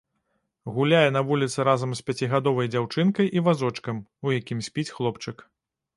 Гуляе на вуліцы разам з пяцігадовай дзяўчынкай і вазочкам, у якім спіць хлопчык.